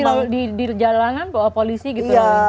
mungkin di jalangan polisi gitu lalu kan